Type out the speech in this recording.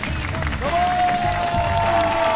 どうも！